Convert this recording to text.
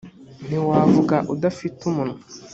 ntiwavuga udafite umunwa.